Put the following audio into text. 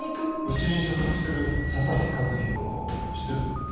うちに所属してる佐々木主浩知ってる？